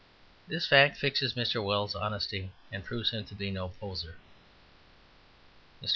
This fact fixes Mr. Wells's honesty and proves him to be no poseur. Mr.